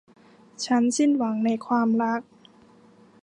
ฉันสิ้นหวังในความรัก